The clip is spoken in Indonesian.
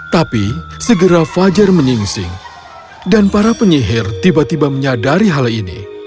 tapi segera fajar menyingsing dan para penyihir tiba tiba menyadari hal ini